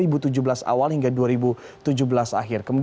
kemudian juga tidak pernah mendapatkan sanksi ataupun juga penghentian sementara